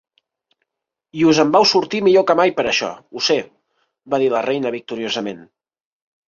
'I us en vau sortir millor que mai per això, ho sé!' va dir la reina victoriosament.